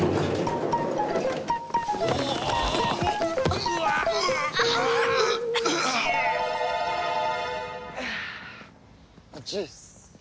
こっちです。